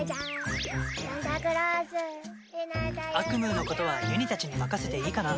アクムーのことはゆにたちに任せていいかな？